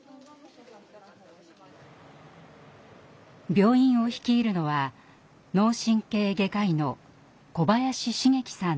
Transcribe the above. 病院を率いるのは脳神経外科医の小林繁樹さんです。